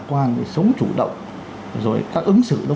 quan sống chủ động rồi các ứng xử nó